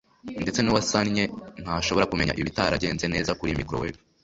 Ndetse nuwasannye ntashobora kumenya ibitaragenze neza kuri microwave